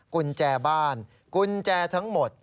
กุญแจบ้านกุญแจทั้งหมด